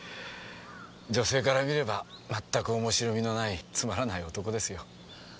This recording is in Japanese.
女性から見ればまったく面白味のないつまらない男ですよ。